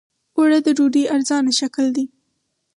اوړه د ډوډۍ ارزانه شکل دی